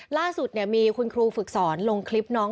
ล่าสุดมีคุณครูฝึกสอนลงคลิปน้อง